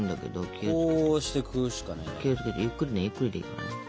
気を付けてゆっくりねゆっくりでいいからね。